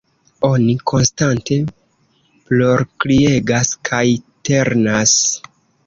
Oni konstante plorkriegas kaj ternas.